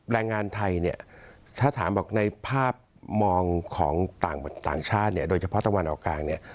แรงงานไทยถ้าถามออกในภาพมองของต่างชาติโดยเฉพาะตะวันออกกลาง